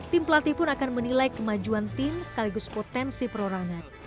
tim pelatih pun akan menilai kemajuan tim sekaligus potensi perorangan